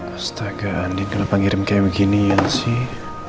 astaga andi kenapa ngirim kayak beginian sih